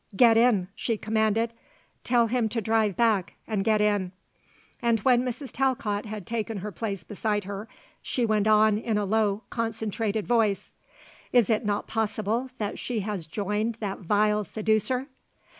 "Get in," she commanded. "Tell him to drive back, and get in." And when Mrs. Talcott had taken her place beside her she went on in a low, concentrated voice: "Is it not possible that she has joined that vile seducer?"